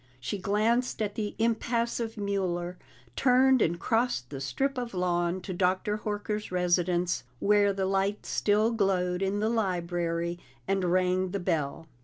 She glanced at the impassive Mueller, turned and crossed the strip of lawn to Dr. Horker's residence, where the light still glowed in the library, and rang the bell.